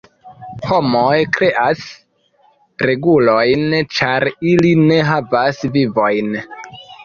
Homoj kreas regulojn ĉar ili ne havas vivojn.